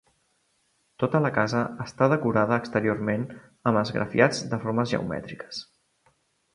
Tota la casa està decorada exteriorment amb esgrafiats de formes geomètriques.